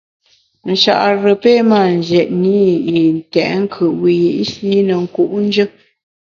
Nchare pe mâ njètne i yi ntèt nkùt wiyi’shi ne nku’njù.